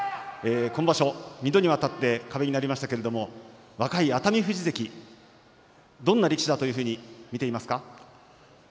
今場所２度にわたって壁になりましたけれども若い熱海富士関どんな力士だと見ていますか。